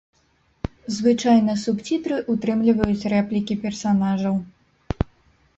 Звычайна субцітры ўтрымліваюць рэплікі персанажаў.